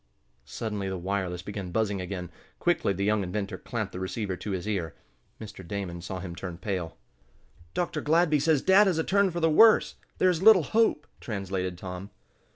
Suddenly the wireless began buzzing again. Quickly the young inventor clamped the receiver to his ear. Mr. Damon saw him turn pale. "Dr. Gladby says dad has a turn for the worse. There is little hope," translated Tom.